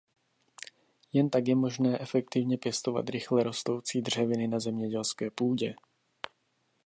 Jen tak je možné efektivně pěstovat rychle rostoucí dřeviny na zemědělské půdě.